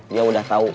dia udah tau